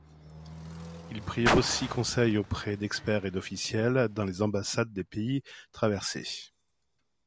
Ils prirent aussi conseil auprès d'experts et d'officiels dans les ambassades des pays traversés.